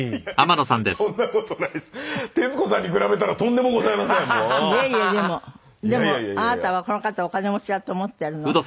でもあなたはこの方お金持ちだと思ってるの？